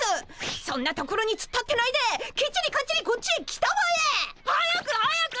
そんなところにつっ立ってないできっちりかっちりこっちへ来たまえ！早く早く！